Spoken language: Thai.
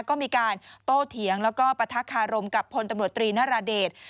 ก็มีการโตเถียงแล้วก็ปะทะคารมกับพลตำรวจตรีนราเดช